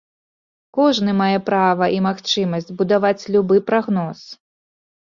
Кожны мае права і магчымасць будаваць любы прагноз.